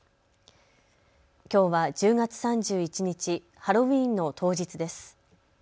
きょうは１０月３１日、ハロウィーンの当日です。